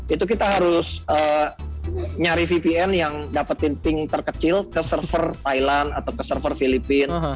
itu kita harus nyari vpn yang dapetin tink terkecil ke server thailand atau ke server filipina